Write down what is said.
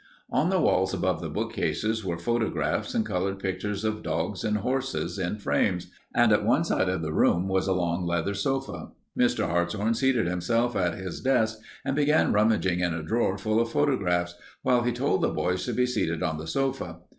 On the walls above the bookcases were photographs and colored pictures of dogs and horses in frames, and at one side of the room was a long leather sofa. Mr. Hartshorn seated himself at his desk and began rummaging in a drawer full of photographs, while he told the boys to be seated on the sofa.